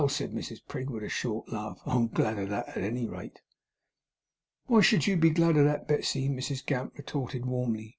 said Mrs Prig, with a short laugh. 'I'm glad of that, at any rate.' 'Why should you be glad of that, Betsey?' Mrs Gamp retorted, warmly.